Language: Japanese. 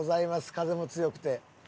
風も強くて。